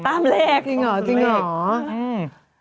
ตามเลขจริงเหรอ